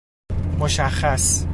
مشخص